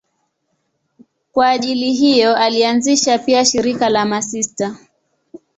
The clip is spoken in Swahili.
Kwa ajili hiyo alianzisha pia shirika la masista.